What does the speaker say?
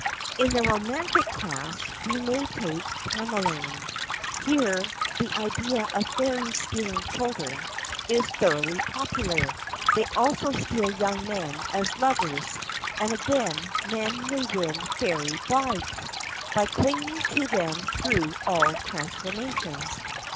In the romantic class, we may take Tamlane. Here the idea of fairies stealing children is thoroughly popular; they also steal young men as lovers, and again, men may win fairy brides, by clinging to them through all transformations.